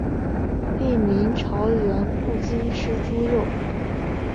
另明朝人不禁吃猪肉。